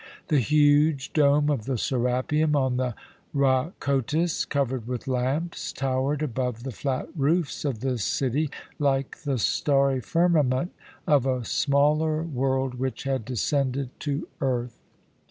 The huge dome of the Serapeum on the Rhakotis, covered with lamps, towered above the flat roofs of the city like the starry firmament of a smaller world which had descended to earth.